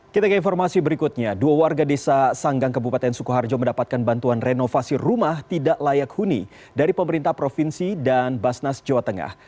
kita ke informasi berikutnya dua warga desa sanggang kebupaten sukoharjo mendapatkan bantuan renovasi rumah tidak layak huni dari pemerintah provinsi dan basnas jawa tengah